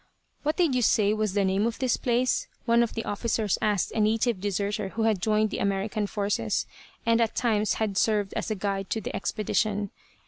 "What did you say was the name of this place?" one of the officers asked a native deserter who had joined the American forces, and at times had served as a guide to the expedition.